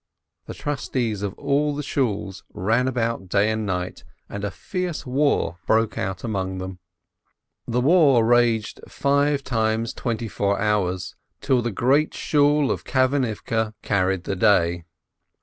The trustees of all the Shools ran about day and night, and a fierce war broke out among them. The war raged five times twenty four hours, till the Great Shool in Kamenivke carried the day.